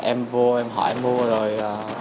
em vô em hỏi mua rồi